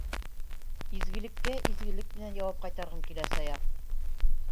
Изгелеккә изгелек менән яуап ҡайтарғым килә, Саяф.